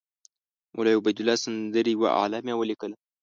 مولوي عبیدالله سندي یوه اعلامیه ولیکله.